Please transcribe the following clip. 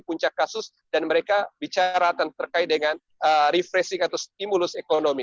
puncak kasus dan mereka bicara terkait dengan refreshing atau stimulus ekonomi